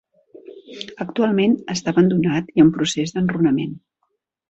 Actualment està abandonat i en procés d'enrunament.